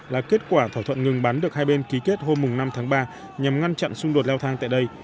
là kết quả thỏa thuận ngừng bắn được hai bên ký kết hôm năm tháng ba nhằm ngăn chặn xung đột leo thang tại đây